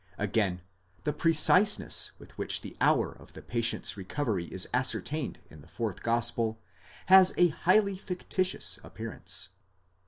Again, the preciseness with which the hour of the patient's recovery is ascertained in the fourth gospel has a highly fictitious appearance.